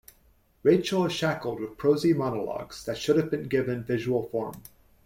Rachel is shackled with prosy monologues that should have been given visual form.